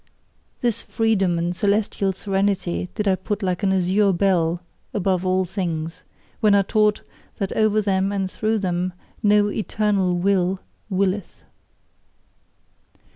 This freedom and celestial serenity did I put like an azure bell above all things, when I taught that over them and through them, no "eternal Will" willeth.